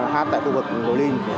hát tại khu vực bồi linh